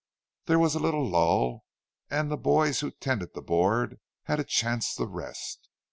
There was little lull, and the boys who tended the board had a chance to rest.